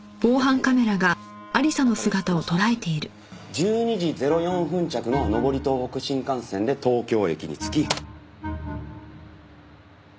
１２時０４分着の上り東北新幹線で東京駅に着き。